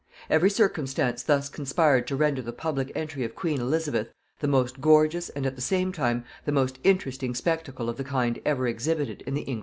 Every circumstance thus conspired to render the public entry of queen Elizabeth the most gorgeous and at the same time the most interesting spectacle of the kind ever exhibited in the English metropolis.